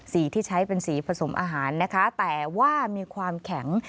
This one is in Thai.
ที่ใช้เป็นสีผสมอาหารนะคะแต่ว่ามีความแข็ง